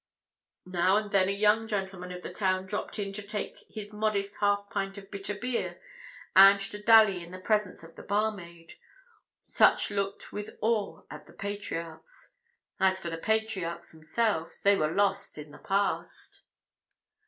Now and then a young gentleman of the town dropped in to take his modest half pint of bitter beer and to dally in the presence of the barmaid; such looked with awe at the patriarchs: as for the patriarchs themselves they were lost in the past.